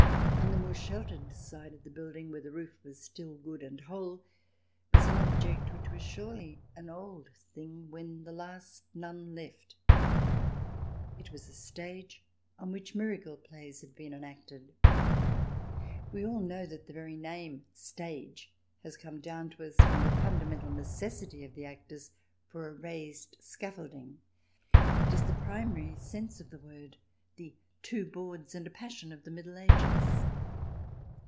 On the more sheltered side of the building, where the roof was still good and whole, was an object which was surely an old thing when the last nun left. It was a stage on which miracle plays had been enacted. We all know that the very name Stage has come down to us from the fundamental necessity of the actors for a raised scaffolding. It is the primary sense of the word — the " two boards and a passion" of the Middle Ages.